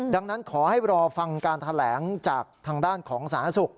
ดังนั้นขอให้รอฟังการแถลงจากทางด้านของสาธารณสุข